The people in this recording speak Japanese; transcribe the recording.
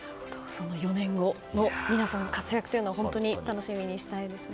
４年後の皆さんの活躍は本当に楽しみにしたいですね。